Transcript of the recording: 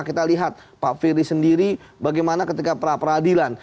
kita lihat pak firly sendiri bagaimana ketika pra peradilan